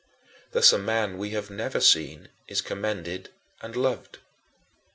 Thus a man we have never seen is commended and loved.